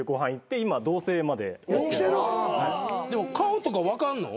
でも顔とか分かんの？